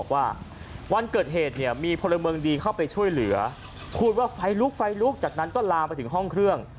ว่าวันเกิดเหตุเนี่ยมีพลเมืองดีเข้าไปช่วยเหลือพูดว่าไฟลุกไฟลุกจากนั้นก็ลามไปถึงห้องเครื่อง